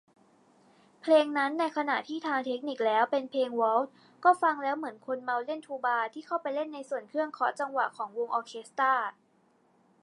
เพลงนั้น ในขณะที่ทางเทคนิคแล้วเป็นเพลงวอลทซ์ ก็ฟังแล้วเหมือนคนเมาเล่นทูบาที่เข้าไปเล่นในส่วนเครื่องเคาะจังหวะของวงออร์เคสตร้า